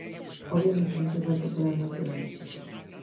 Obviamente non fai falta falar moito deles.